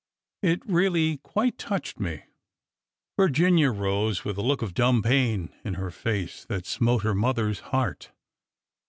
It really quite touched me/' Virginia rose with a look of dumb pain in her face that smote her mother's heart.